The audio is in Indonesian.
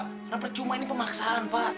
karena percuma ini pemaksaan pak